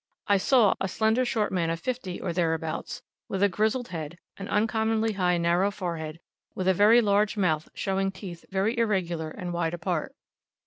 I saw a slender short man of fifty or thereabouts, with a grizzled head, an uncommonly high, narrow forehead, with a very large mouth, showing teeth very irregular, and wide apart.